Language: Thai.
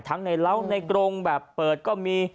ในเหล้าในกรงแบบเปิดก็มี